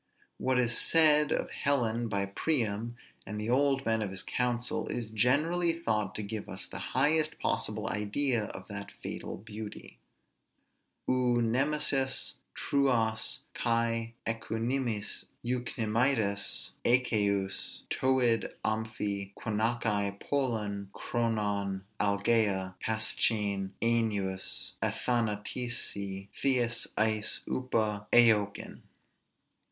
What is said of Helen by Priam and the old men of his council, is generally thought to give us the highest possible idea of that fatal beauty. [Greek: Ou nemesis, Trôas kai euknêmidas 'Achaious Toiêd' amphi gunaiki polun chronon algea paschein Ainôs athanatêsi theês eis ôpa eoiken.